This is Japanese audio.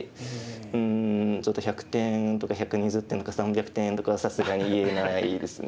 うんちょっと１００点とか１２０点とか３００点とかはさすがに言えないですね。